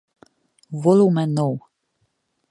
Volume No.